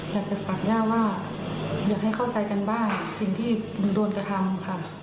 อยากจะตัดย่าว่าอยากให้เข้าใจกันว่าสิ่งที่หนูโดนกระทำค่ะ